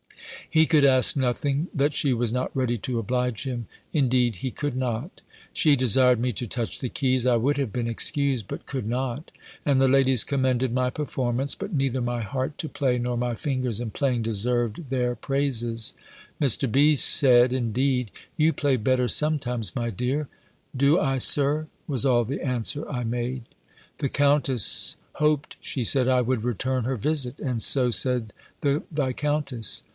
He could ask nothing, that she was not ready to oblige him; indeed he could not. She desired me to touch the keys. I would have been excused; but could not. And the ladies commended my performance; but neither my heart to play, nor my fingers in playing, deserved their praises. Mr. B. said, indeed "You play better sometimes, my dear." "Do I, Sir?" was all the answer I made. The Countess hoped, she said, I would return her visit; and so said the Viscountess.